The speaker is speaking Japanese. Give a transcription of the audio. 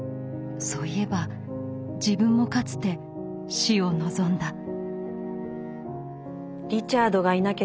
そういえば自分もかつて死を望んだ。